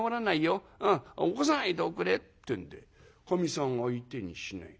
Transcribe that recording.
うん起こさないでおくれ」ってんでかみさん相手にしない。